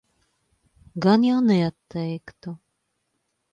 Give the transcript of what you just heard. Gan jau neatteiktu.